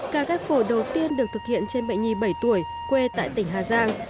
ca ghép phổi đầu tiên được thực hiện trên bệnh nhi bảy tuổi quê tại tỉnh hà giang